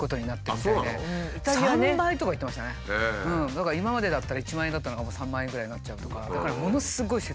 だから今までだったら１万円だったのが３万円ぐらいになっちゃうとか。